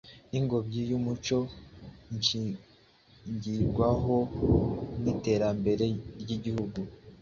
ningobyi y’umuco ishingirwaho n’iterambere ry’igihugu.